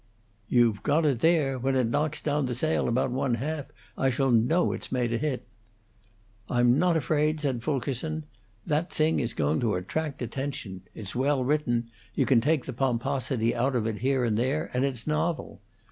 "You've got there! When it knocks down the sale about one half, I shall know it's made a hit." "I'm not afraid," said Fulkerson. "That thing is going to attract attention. It's well written you can take the pomposity out of it, here and there and it's novel.